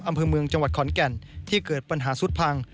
อำเภอเมืองจังหวัดขอนแก่นที่เกิดปัญหาสุดพัง